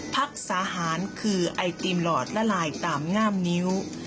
พักสาหารคือไอติมหลอดละลายตามง่ามนิ้ว